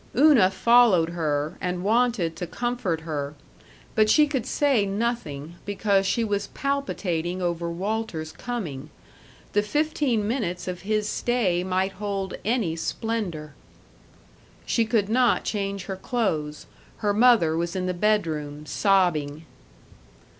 Una followed her, and wanted to comfort her. But she could say nothing, because she was palpitating over Walter's coming. The fifteen minutes of his stay might hold any splendor. She could not change her clothes. Her mother was in the bedroom, sobbing.